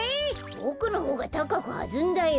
ボクのほうがたかくはずんだよ。